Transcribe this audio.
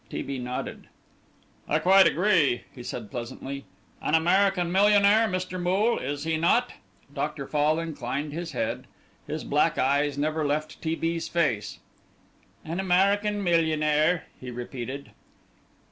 T. B. nodded. "I quite agree," he said, pleasantly. "An American millionaire Mr. Moole is he not?" Dr. Fall inclined his head. His black eyes never left T. B.'s face. "An American millionaire," he repeated.